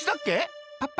パパ。